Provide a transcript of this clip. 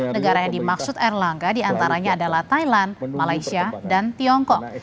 negara yang dimaksud erlangga diantaranya adalah thailand malaysia dan tiongkok